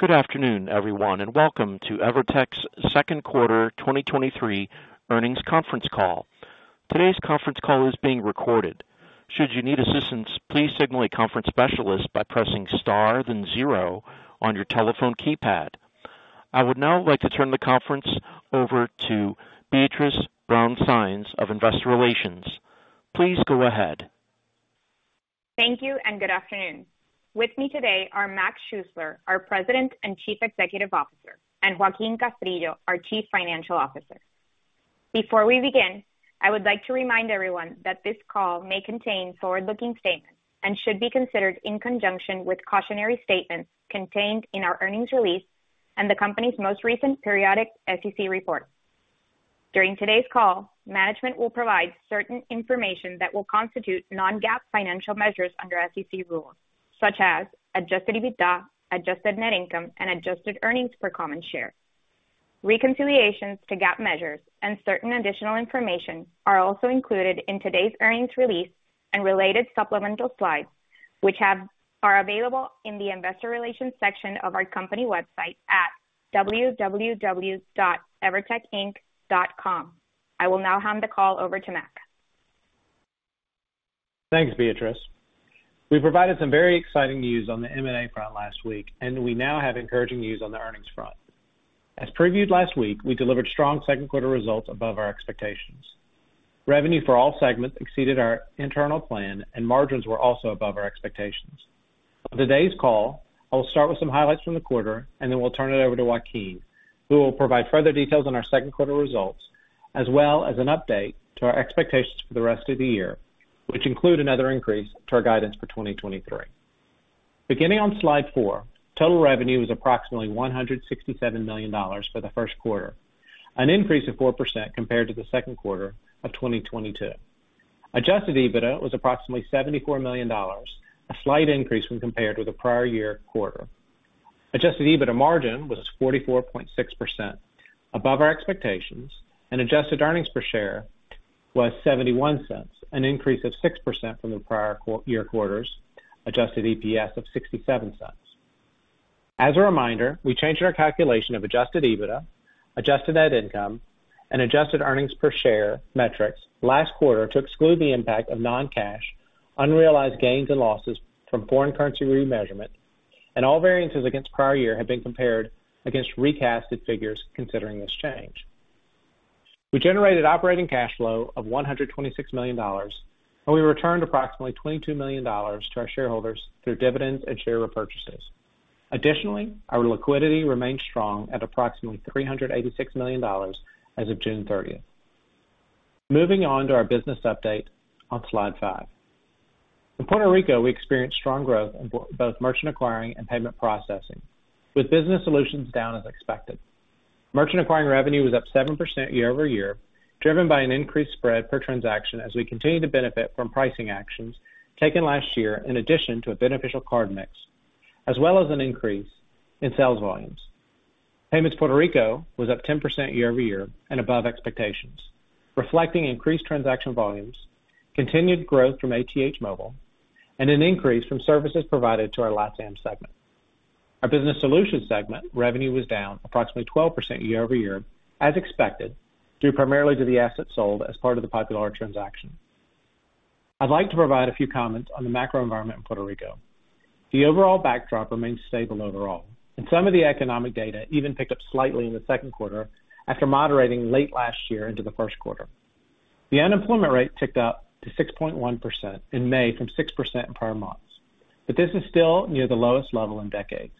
Good afternoon, everyone, and welcome to EVERTEC's 2nd quarter 2023 earnings conference call. Today's conference call is being recorded. Should you need assistance, please signal a conference specialist by pressing Star, then 0 on your telephone keypad. I would now like to turn the conference over to Beatriz Brown-Sáenz of Investor Relations. Please go ahead. Thank you and good afternoon. With me today are Mac Schuessler, our President and Chief Executive Officer, and Joaquin Castrillo, our Chief Financial Officer. Before we begin, I would like to remind everyone that this call may contain forward-looking statements and should be considered in conjunction with cautionary statements contained in our earnings release and the company's most recent periodic SEC report. During today's call, management will provide certain information that will constitute non-GAAP financial measures under SEC rules, such as Adjusted EBITDA, Adjusted Net Income, and Adjusted Earnings per Common Share. Reconciliations to GAAP measures and certain additional information are also included in today's earnings release and related supplemental slides, which are available in the investor relations section of our company website at www.evertecinc.com. I will now hand the call over to Mac. Thanks, Beatrice. We provided some very exciting news on the M&A front last week. We now have encouraging news on the earnings front. As previewed last week, we delivered strong second quarter results above our expectations. Revenue for all segments exceeded our internal plan. Margins were also above our expectations. On today's call, I will start with some highlights from the quarter. Then we'll turn it over to Joaquin, who will provide further details on our second quarter results, as well as an update to our expectations for the rest of the year, which include another increase to our guidance for 2023. Beginning on slide 4, total revenue was approximately $167 million for the first quarter, an increase of 4% compared to the second quarter of 2022. Adjusted EBITDA was approximately $74 million, a slight increase when compared with the prior year quarter. Adjusted EBITDA margin was 44.6%, above our expectations, and adjusted earnings per share was $0.71, an increase of 6% from the prior year quarter's adjusted EPS of $0.67. As a reminder, we changed our calculation of Adjusted EBITDA, Adjusted Net Income, and Adjusted Earnings per Common Share metrics last quarter to exclude the impact of non-cash, unrealized gains and losses from foreign currency remeasurement, and all variances against prior year have been compared against recasted figures considering this change. We generated operating cash flow of $126 million, and we returned approximately $22 million to our shareholders through dividends and share repurchases. Additionally, our liquidity remained strong at approximately $386 million as of June 30th. Moving on to our business update on slide 5. In Puerto Rico, we experienced strong growth in both Merchant Acquiring and payment processing, with Business Solutions down as expected. Merchant Acquiring revenue was up 7% year-over-year, driven by an increased spread per transaction as we continue to benefit from pricing actions taken last year, in addition to a beneficial card mix, as well as an increase in sales volumes. Payments Puerto Rico was up 10% year-over-year and above expectations, reflecting increased transaction volumes, continued growth from ATH Móvil, and an increase from services provided to our LatAm segment. Our Business Solutions segment revenue was down approximately 12% year-over-year, as expected, due primarily to the assets sold as part of the Popular transaction. I'd like to provide a few comments on the macro environment in Puerto Rico. The overall backdrop remains stable. Some of the economic data even picked up slightly in the second quarter after moderating late last year into the first quarter. The unemployment rate ticked up to 6.1% in May from 6% in prior months. This is still near the lowest level in decades.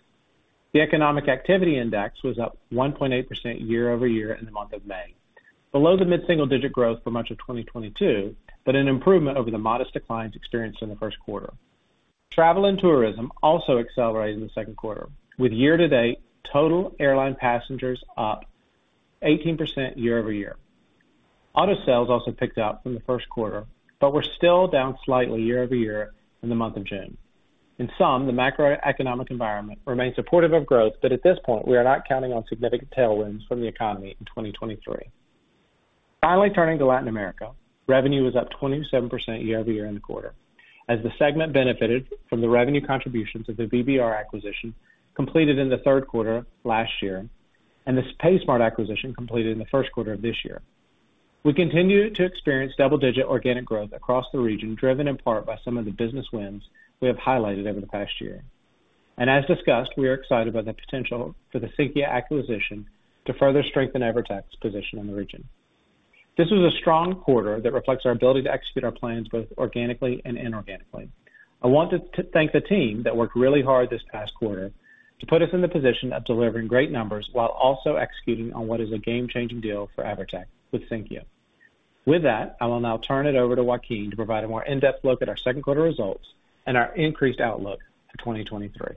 The Economic Activity Index was up 1.8% year-over-year in the month of May, below the mid-single-digit growth for much of 2022. An improvement over the modest declines experienced in the first quarter. Travel and tourism also accelerated in the second quarter, with year-to-date total airline passengers up 18% year-over-year. Auto sales also picked up from the first quarter but were still down slightly year-over-year in the month of June. In sum, the macroeconomic environment remains supportive of growth, but at this point, we are not counting on significant tailwinds from the economy in 2023. Finally, turning to Latin America, revenue was up 27% year-over-year in the quarter, as the segment benefited from the revenue contributions of the BBR acquisition completed in the third quarter last year and the paySmart acquisition completed in the first quarter of this year. We continued to experience double-digit organic growth across the region, driven in part by some of the business wins we have highlighted over the past year. As discussed, we are excited by the potential for the Sinqia acquisition to further strengthen EVERTEC's position in the region. This was a strong quarter that reflects our ability to execute our plans, both organically and inorganically. I want to thank the team that worked really hard this past quarter to put us in the position of delivering great numbers while also executing on what is a game-changing deal for EVERTEC with Sinqia. I will now turn it over to Joaquin to provide a more in-depth look at our second quarter results and our increased outlook for 2023.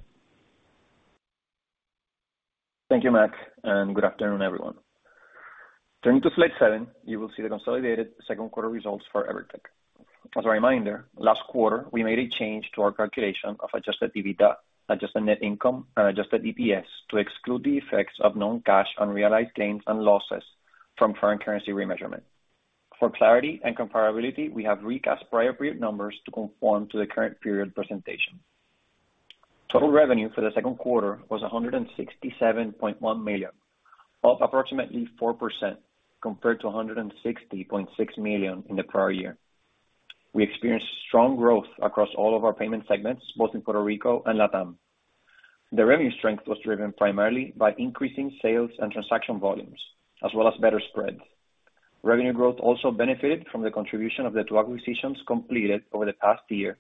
Thank you, Mac. Good afternoon, everyone. Turning to slide 7, you will see the consolidated second quarter results for EVERTEC. As a reminder, last quarter, we made a change to our calculation of Adjusted EBITDA, Adjusted Net Income, and Adjusted EPS to exclude the effects of non-cash unrealized gains and losses from foreign currency remeasurement. For clarity and comparability, we have recast prior period numbers to conform to the current period presentation. Total revenue for the second quarter was $167.1 million, up approximately 4% compared to $160.6 million in the prior year. We experienced strong growth across all of our payment segments, both in Puerto Rico and Latin America. The revenue strength was driven primarily by increasing sales and transaction volumes, as well as better spreads. Revenue growth also benefited from the contribution of the two acquisitions completed over the past year,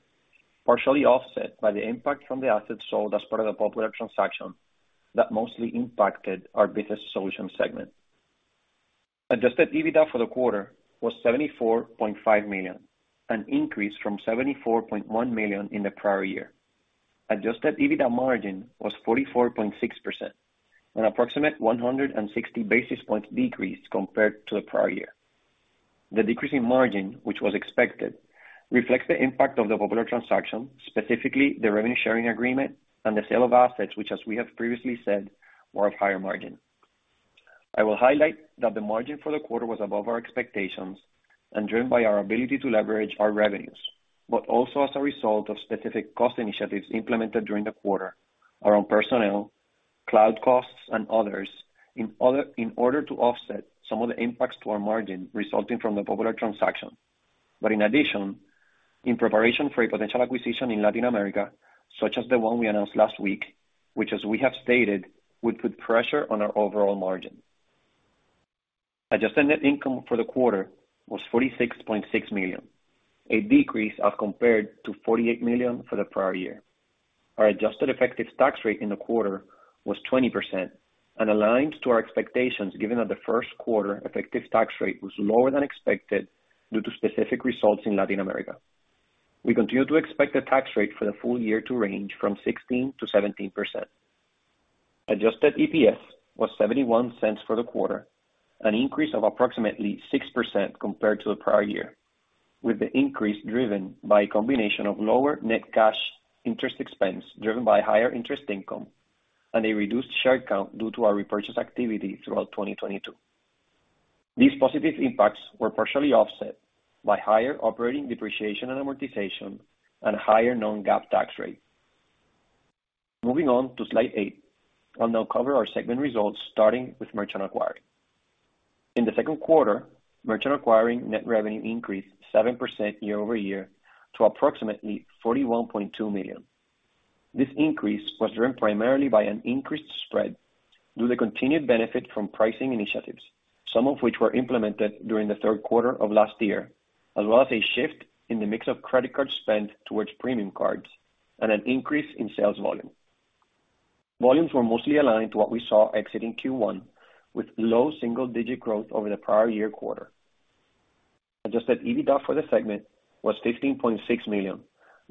partially offset by the impact from the assets sold as part of the Popular transaction, that mostly impacted our business solution segment. Adjusted EBITDA for the quarter was $74.5 million, an increase from $74.1 million in the prior year. Adjusted EBITDA margin was 44.6%, an approximate 160 basis points decrease compared to the prior year. The decrease in margin, which was expected, reflects the impact of the Popular transaction, specifically the revenue sharing agreement and the sale of assets, which, as we have previously said, were of higher margin. I will highlight that the margin for the quarter was above our expectations and driven by our ability to leverage our revenues, but also as a result of specific cost initiatives implemented during the quarter around personnel, cloud costs, and others, in order to offset some of the impacts to our margin resulting from the Popular transaction. In addition, in preparation for a potential acquisition in Latin America, such as the one we announced last week, which as we have stated, would put pressure on our overall margin. Adjusted net income for the quarter was $46.6 million, a decrease as compared to $48 million for the prior year. Our adjusted effective tax rate in the quarter was 20% and aligns to our expectations, given that the first quarter effective tax rate was lower than expected due to specific results in Latin America. We continue to expect the tax rate for the full year to range from 16%-17%. Adjusted EPS was $0.71 for the quarter, an increase of approximately 6% compared to the prior year, with the increase driven by a combination of lower net cash interest expense, driven by higher interest income and a reduced share count due to our repurchase activity throughout 2022. These positive impacts were partially offset by higher operating depreciation and amortization and higher non-GAAP tax rate. Moving on to slide 8. I'll now cover our segment results, starting with merchant acquiring. In the 2nd quarter, merchant acquiring net revenue increased 7% year-over-year to approximately $41.2 million. This increase was driven primarily by an increased spread due to the continued benefit from pricing initiatives, some of which were implemented during the 3rd quarter of last year, as well as a shift in the mix of credit card spend towards premium cards and an increase in sales volume. Volumes were mostly aligned to what we saw exiting Q1, with low single-digit growth over the prior year quarter. Adjusted EBITDA for the segment was $15.6 million,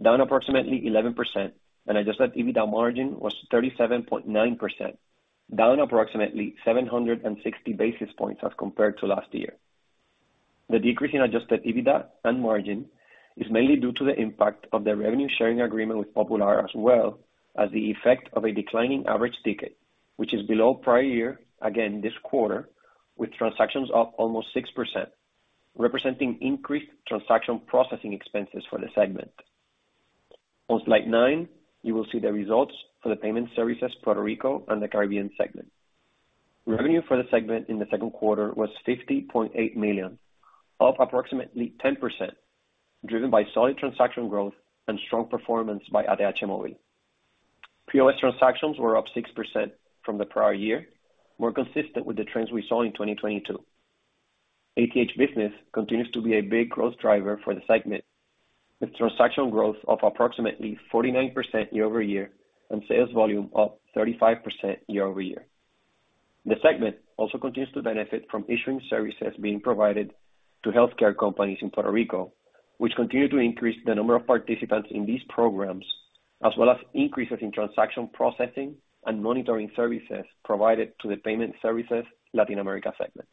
down approximately 11%, and Adjusted EBITDA margin was 37.9%, down approximately 760 basis points as compared to last year. The decrease in Adjusted EBITDA and margin is mainly due to the impact of the revenue sharing agreement with Popular, as well as the effect of a declining average ticket, which is below prior year, again this quarter, with transactions up almost 6%, representing increased transaction processing expenses for the segment. On slide 9, you will see the results for the Payment Services - Puerto Rico & Caribbean segment. Revenue for the segment in the second quarter was $50.8 million, up approximately 10%, driven by solid transaction growth and strong performance by ATH Móvil. POS transactions were up 6% from the prior year, more consistent with the trends we saw in 2022. ATH Business continues to be a big growth driver for the segment, with transaction growth of approximately 49% year-over-year and sales volume up 35% year-over-year. The segment also continues to benefit from issuing services being provided to healthcare companies in Puerto Rico, which continue to increase the number of participants in these programs, as well as increases in transaction processing and monitoring services provided to the Payment Services - Latin America segment.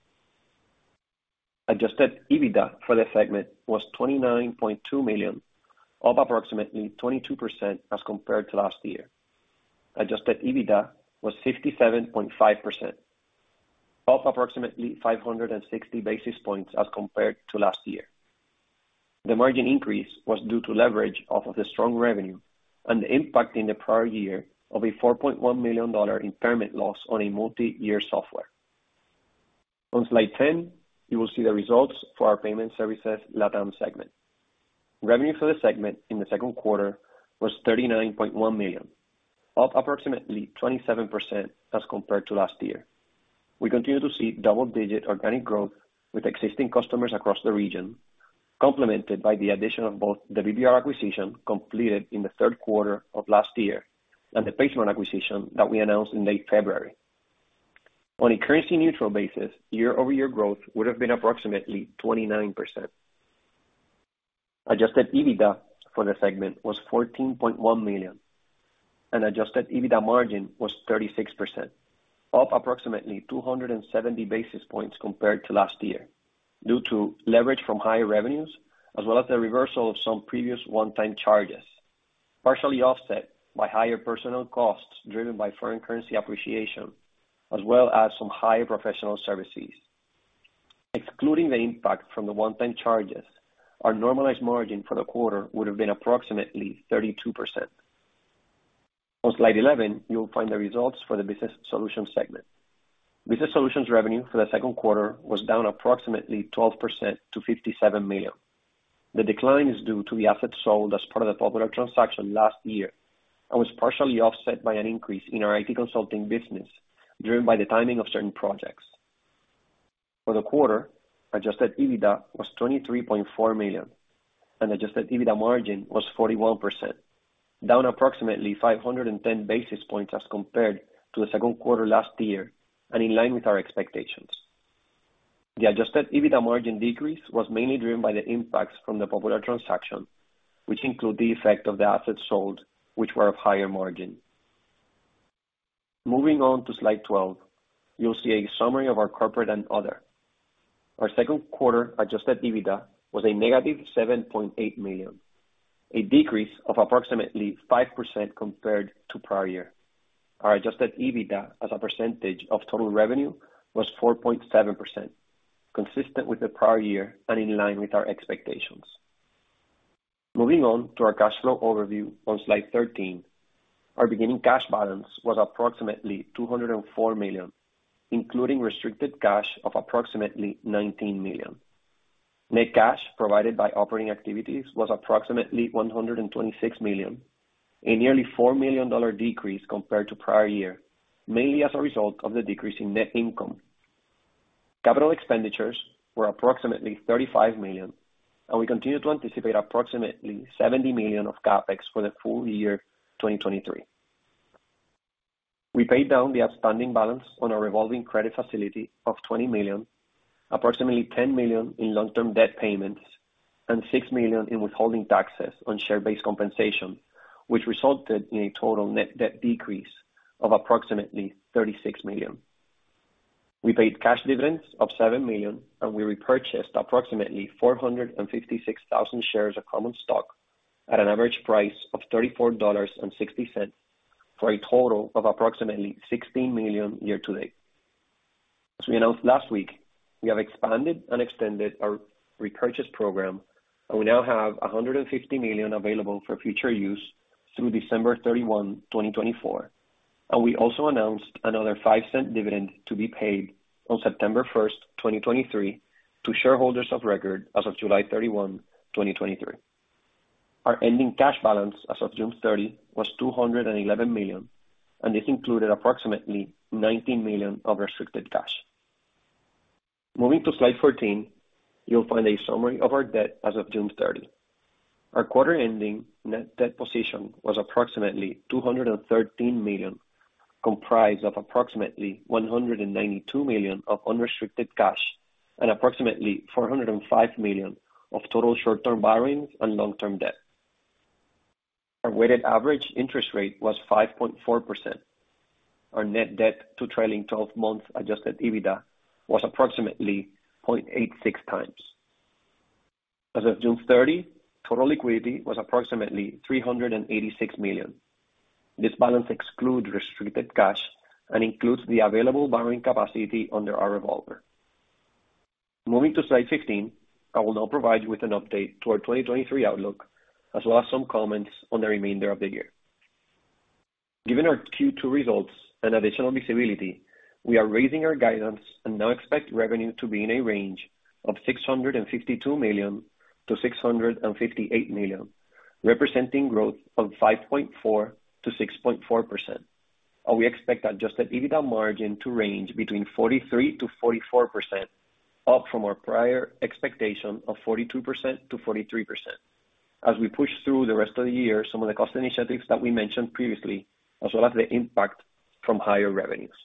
Adjusted EBITDA for the segment was $29.2 million, up approximately 22% as compared to last year. Adjusted EBITDA was 67.5%, up approximately 560 basis points as compared to last year. The margin increase was due to leverage off of the strong revenue and the impact in the prior year of a $4.1 million impairment loss on a multi-year software. On slide 10, you will see the results for our Payment Services Latin America segment. Revenue for the segment in the second quarter was $39.1 million, up approximately 27% as compared to last year. We continue to see double-digit organic growth with existing customers across the region, complemented by the addition of both the BBR acquisition completed in the third quarter of last year and the Payment acquisition that we announced in late February. On a currency-neutral basis, year-over-year growth would have been approximately 29%. Adjusted EBITDA for the segment was $14.1 million, and adjusted EBITDA margin was 36%, up approximately 270 basis points compared to last year due to leverage from higher revenues, as well as the reversal of some previous one-time charges, partially offset by higher personal costs driven by foreign currency appreciation, as well as some high professional services. Excluding the impact from the one-time charges, our normalized margin for the quarter would have been approximately 32%. On slide 11, you'll find the results for the Business Solutions segment. Business Solutions revenue for the second quarter was down approximately 12% to $57 million. The decline is due to the assets sold as part of the Popular transaction last year, and was partially offset by an increase in our IT consulting business, driven by the timing of certain projects. For the quarter, Adjusted EBITDA was $23.4 million, and Adjusted EBITDA margin was 41%, down approximately 510 basis points as compared to the second quarter last year, and in line with our expectations. The Adjusted EBITDA margin decrease was mainly driven by the impacts from the Popular transaction, which include the effect of the assets sold, which were of higher margin. Moving on to slide 12, you'll see a summary of our corporate and other. Our second quarter Adjusted EBITDA was a negative $7.8 million, a decrease of approximately 5% compared to prior year. Our Adjusted EBITDA as a percentage of total revenue was 4.7%, consistent with the prior year and in line with our expectations. Moving on to our cash flow overview on slide 13. Our beginning cash balance was approximately $204 million, including restricted cash of approximately $19 million. Net cash provided by operating activities was approximately $126 million, a nearly $4 million decrease compared to prior year, mainly as a result of the decrease in net income. Capital expenditures were approximately $35 million, and we continue to anticipate approximately $70 million of CapEx for the full year 2023. We paid down the outstanding balance on our revolving credit facility of $20 million, approximately $10 million in long-term debt payments, and $6 million in withholding taxes on share-based compensation, which resulted in a total net debt decrease of approximately $36 million. We paid cash dividends of $7 million. We repurchased approximately 456,000 shares of common stock at an average price of $34.60, for a total of approximately $16 million year to date. As we announced last week, we have expanded and extended our repurchase program, and we now have $150 million available for future use through December 31, 2024. We also announced another $0.05 dividend to be paid on September 1, 2023, to shareholders of record as of July 31, 2023. Our ending cash balance as of June 30, was $211 million. This included approximately $19 million of restricted cash. Moving to slide 14, you'll find a summary of our debt as of June 30. Our quarter-ending net debt position was approximately $213 million, comprised of approximately $192 million of unrestricted cash and approximately $405 million of total short-term borrowings and long-term debt. Our weighted average interest rate was 5.4%. Our net debt to trailing twelve months Adjusted EBITDA was approximately 0.86 times. As of June 30, total liquidity was approximately $386 million. This balance excludes restricted cash and includes the available borrowing capacity under our revolver. Moving to slide 15, I will now provide you with an update to our 2023 outlook, as well as some comments on the remainder of the year. Given our Q2 results and additional visibility, we are raising our guidance and now expect revenue to be in a range of $652 million-$658 million, representing growth of 5.4%-6.4%. We expect Adjusted EBITDA margin to range between 43%-44%, up from our prior expectation of 42%-43%. As we push through the rest of the year, some of the cost initiatives that we mentioned previously, as well as the impact from higher revenues.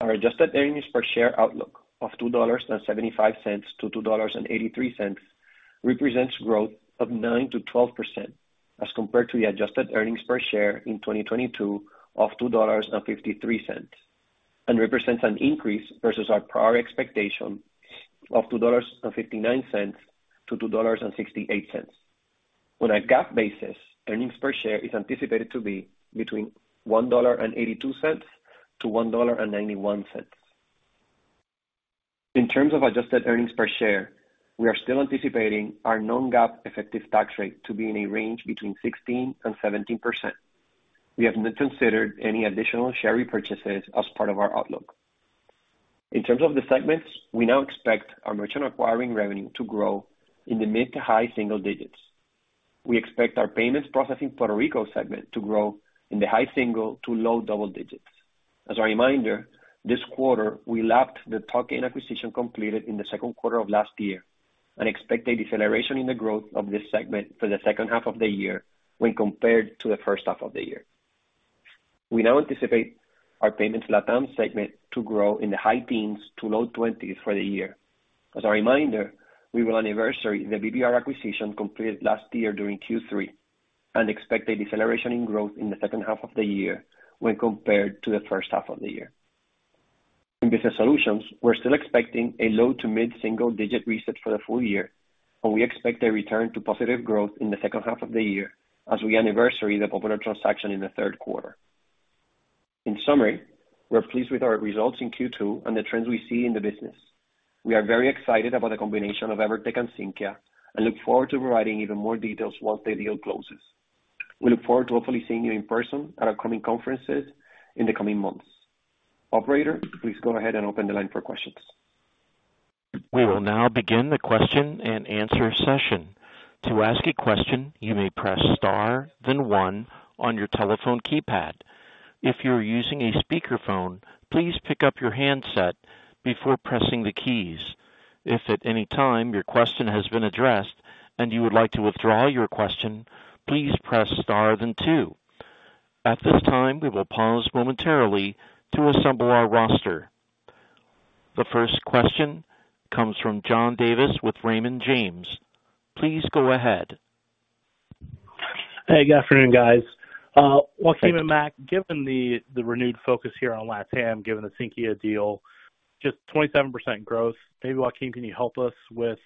Our Adjusted Earnings per Share outlook of $2.75-$2.83, represents growth of 9%-12% as compared to the Adjusted Earnings per Share in 2022 of $2.53. Represents an increase versus our prior expectation of $2.59-$2.68. On a GAAP basis, earnings per share is anticipated to be between $1.82 to $1.91. In terms of Adjusted Earnings per Share, we are still anticipating our non-GAAP effective tax rate to be in a range between 16% and 17%. We have not considered any additional share repurchases as part of our outlook. In terms of the segments, we now expect our merchant acquiring revenue to grow in the mid to high single digits. We expect our payments processing Puerto Rico segment to grow in the high single to low double digits. As a reminder, this quarter, we lapped the token acquisition completed in the second quarter of last year and expect a deceleration in the growth of this segment for the second half of the year when compared to the first half of the year. We now anticipate our payments Latin America segment to grow in the high teens to low twenties for the year. As a reminder, we will anniversary the BBR acquisition completed last year during Q3 and expect a deceleration in growth in the second half of the year when compared to the first half of the year. In business solutions, we're still expecting a low to mid single-digit reset for the full year. We expect a return to positive growth in the 2nd half of the year as we anniversary the OpenAir transaction in the 3rd quarter. In summary, we're pleased with our results in Q2 and the trends we see in the business. We are very excited about the combination of EVERTEC and Sinqia. Look forward to providing even more details once the deal closes. We look forward to hopefully seeing you in person at our coming conferences in the coming months. Operator, please go ahead and open the line for questions. We will now begin the question and answer session. To ask a question, you may press star, then one on your telephone keypad. If you're using a speakerphone, please pick up your handset before pressing the keys. If at any time your question has been addressed and you would like to withdraw your question, please press star then two. At this time, we will pause momentarily to assemble our roster. The first question comes from John Davis with Raymond James. Please go ahead. Hey, good afternoon, guys. Joaquin and Mac, given the renewed focus here on LatAm, given the Sinqia deal, just 27% growth. Maybe, Joaquin, can you help us with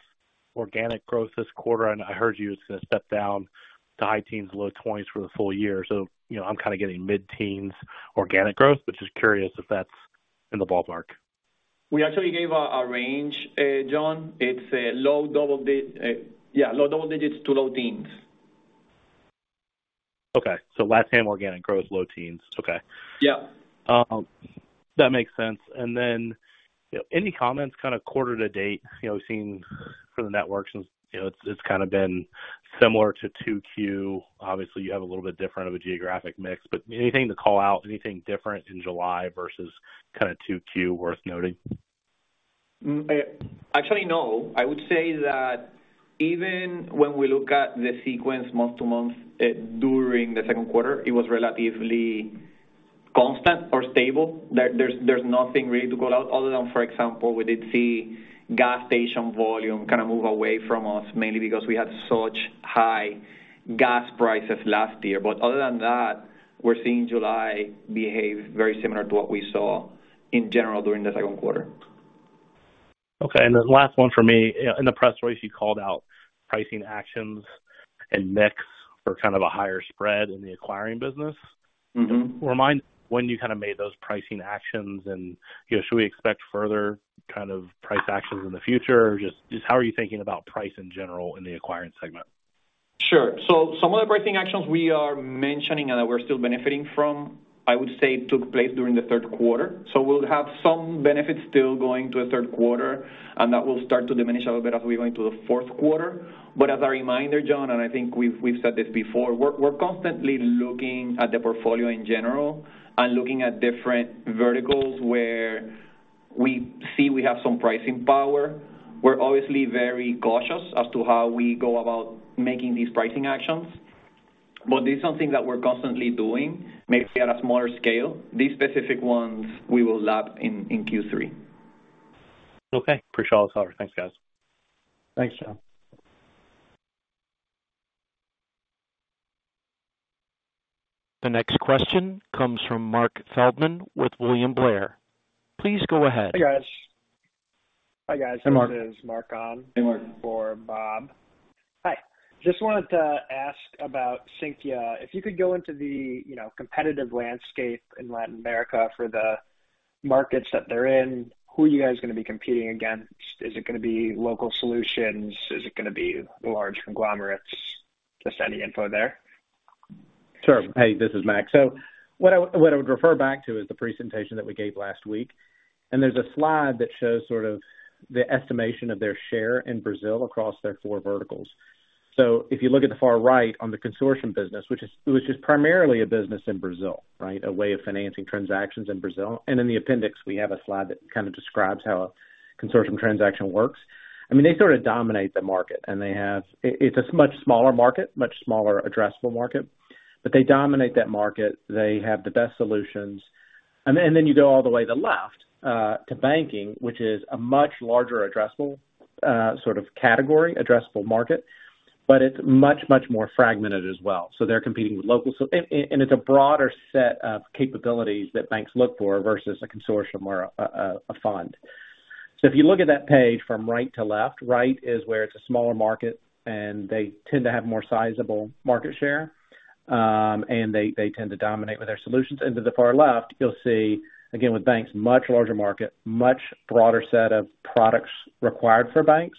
organic growth this quarter? I heard you, it's gonna step down to high teens, low 20s for the full year. I'm getting mid-teens organic growth, but just curious if that's in the ballpark. We actually gave a range, John. It's low double digits to low teens. Okay. LatAm organic growth, low teens. Okay. Yeah. That makes sense. Any comments, quarter to date, seeing for the networks, and, it's been similar to 2Q. Obviously, you have a little bit different of a geographic mix, but anything to call out, anything different in July versus 2Q worth noting? Actually, no. I would say that even when we look at the sequence month-to-month, during the second quarter, it was relatively constant or stable. There's nothing really to call out other than, for example, we did see gas station volume move away from us, mainly because we had such high gas prices last year. Other than that, we're seeing July behave very similar to what we saw in general during the second quarter. Okay, the last one for me. In the press release, you called out pricing actions and mix for a higher spread in the acquiring business. Mm-hmm. Remind when you made those pricing actions, and should we expect further price actions in the future? Or just how are you thinking about price in general in the acquiring segment? Sure. Some of the pricing actions we are mentioning and that we're still benefiting from, I would say, took place during the third quarter. We'll have some benefits still going to the third quarter, and that will start to diminish a little bit as we go into the fourth quarter. As a reminder, John, and I think we've said this before, we're constantly looking at the portfolio in general and looking at different verticals where we see we have some pricing power. We're obviously very cautious as to how we go about making these pricing actions, but this is something that we're constantly doing, maybe at a smaller scale. These specific ones we will lap in Q3. Okay. Appreciate all the color. Thanks, guys. Thanks, John. The next question comes from Marc Feldman with William Blair. Please go ahead. Hey, guys. Hi, guys. Hey, Mark. This is Mark. Hey, Mark. For Bob. Hi. Just wanted to ask about Sinqia. If you could go into the, competitive landscape in Latin America for the markets that they're in, who are you guys gonna be competing against? Is it gonna be local solutions? Is it gonna be large conglomerates? Just any info there. Sure. Hey, this is Mac. what I would refer back to is the presentation that we gave last week, and there's a slide that shows sort of the estimation of their share in Brazil across their four verticals. If you look at the far right on the consortium business, which is primarily a business in Brazil, right? A way of financing transactions in Brazil. In the appendix, we have a slide that describes how a consortium transaction works. I mean, they sort of dominate the market, and they have. It's a much smaller market, much smaller addressable market, but they dominate that market. They have the best solutions. You go all the way to the left, to banking, which is a much larger addressable category, addressable market, but it's much, much more fragmented as well. They're competing with local. It's a broader set of capabilities that banks look for versus a consortium or a fund. If you look at that page from right to left, right is where it's a smaller market, and they tend to have more sizable market share, and they tend to dominate with their solutions. To the far left, you'll see, again, with banks, much larger market, much broader set of products required for banks,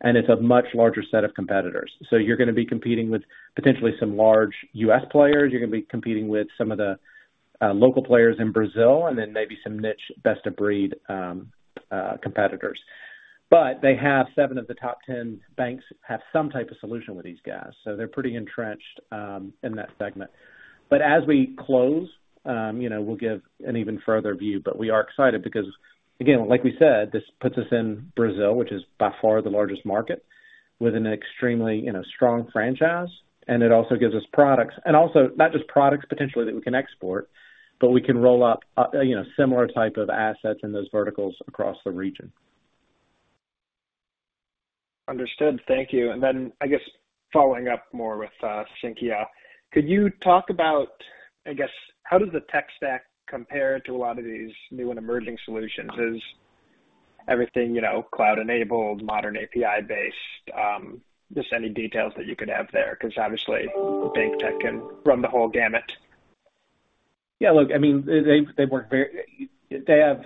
and it's a much larger set of competitors. You're gonna be competing with potentially some large U.S. players. You're gonna be competing with some of the local players in Brazil, and then maybe some niche, best of breed competitors. They have 7 of the top 10 banks, have some type of solution with these guys, so they're pretty entrenched in that segment. As we close, we'll give an even further view. We are excited because, again, like we said, this puts us in Brazil, which is by far the largest market, with an extremely, strong franchise, and it also gives us products. Not just products, potentially, that we can export, but we can roll up, similar type of assets in those verticals across the region. Understood. Thank you. Then, I guess, following up more with Sinqia, could you talk about, I guess, how does the tech stack compare to a lot of these new and emerging solutions? Is everything, cloud-enabled, modern API-based? Just any details that you could have there, because obviously, bank tech can run the whole gamut. Yeah, look, I mean, they have,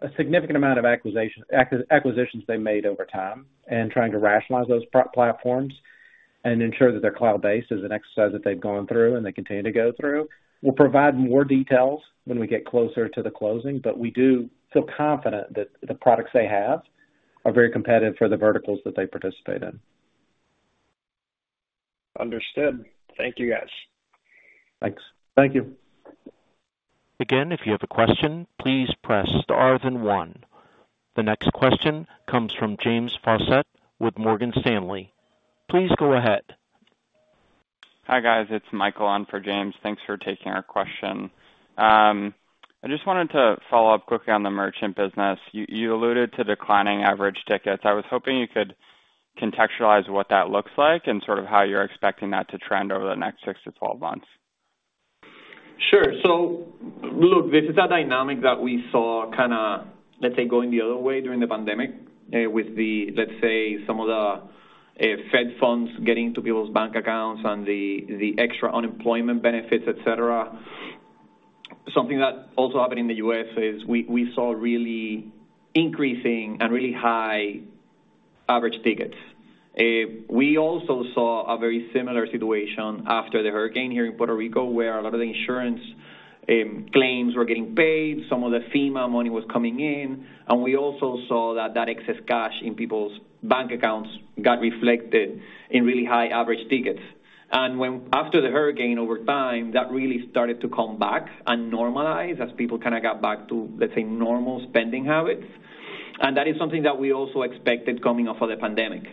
a significant amount of acquisitions they made over time and trying to rationalize those platforms and ensure that they're cloud-based is an exercise that they've gone through and they continue to go through. We'll provide more details when we get closer to the closing. We do feel confident that the products they have are very competitive for the verticals that they participate in. Understood. Thank you, guys. Thanks. Thank you. Again, if you have a question, please press star then one. The next question comes from James Faucette with Morgan Stanley. Please go ahead. Hi, guys. It's Michael on for James. Thanks for taking our question. I just wanted to follow up quickly on the merchant business. You alluded to declining average tickets. I was hoping you could contextualize what that looks like and sort of how you're expecting that to trend over the next six to 12 months. Sure. Look, this is a dynamic that we saw, let's say, going the other way during the pandemic, with, let's say, some of the Fed funds getting to people's bank accounts and the extra unemployment benefits, et cetera. Something that also happened in the U.S. is we saw really increasing and really high average tickets. We also saw a very similar situation after the hurricane here in Puerto Rico, where a lot of the insurance, claims were getting paid, some of the FEMA money was coming in, we also saw that excess cash in people's bank accounts got reflected in really high average tickets. When, after the hurricane, over time, that really started to come back and normalize as people got back to, let's say, normal spending habits. That is something that we also expected coming off of the pandemic.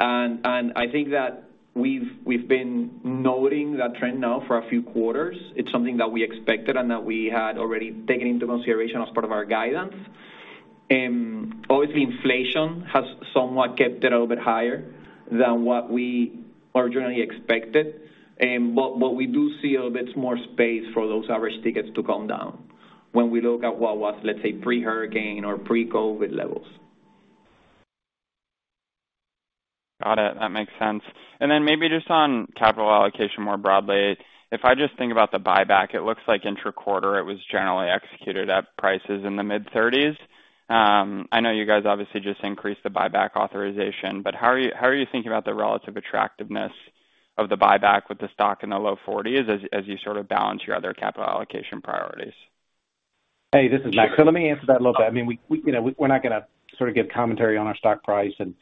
I think that we've been noting that trend now for a few quarters. It's something that we expected and that we had already taken into consideration as part of our guidance. Obviously, inflation has somewhat kept it a little bit higher than what we originally expected, but we do see a little bit more space for those average tickets to come down when we look at what was, let's say, pre-hurricane or pre-COVID levels. Got it. That makes sense. Maybe just on capital allocation more broadly. If I just think about the buyback, it looks like intraquarter, it was generally executed at prices in the mid-thirties. I know you guys obviously just increased the buyback authorization, how are you thinking about the relative attractiveness of the buyback with the stock in the low forties as you sort of balance your other capital allocation priorities? Hey, this is Mac. Let me answer that a little bit. I mean, we, we're not gonna sort of give commentary on our stock price and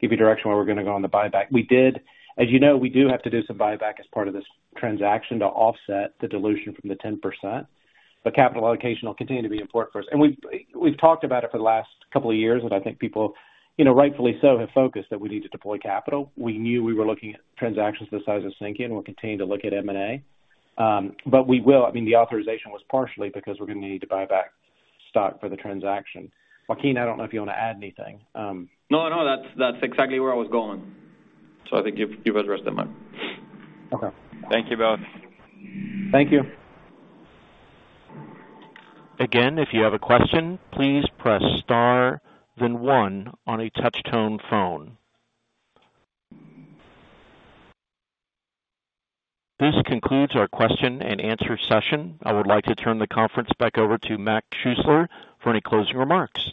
give you direction where we're gonna go on the buyback. As we do have to do some buyback as part of this transaction to offset the dilution from the 10%. Capital allocation will continue to be important for us. We've talked about it for the last couple of years, and I think people, rightfully so, have focused that we need to deploy capital. We knew we were looking at transactions the size of Sinqia. We'll continue to look at M&A. We will, I mean, the authorization was partially because we're gonna need to buy back stock for the transaction. Joaquin, I don't know if you want to add anything? No, no, that's exactly where I was going. I think you've addressed that, Mac. Okay. Thank you both. Thank you. Again, if you have a question, please press star then one on a touch tone phone. This concludes our question and answer session. I would like to turn the conference back over to Mac Schuessler for any closing remarks.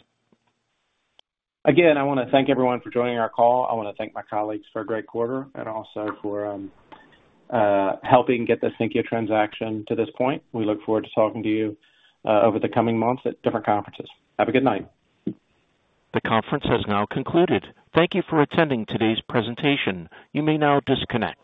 Again, I wanna thank everyone for joining our call. I wanna thank my colleagues for a great quarter and also for helping get the Sinqia transaction to this point. We look forward to talking to you over the coming months at different conferences. Have a good night. The conference has now concluded. Thank you for attending today's presentation. You may now disconnect.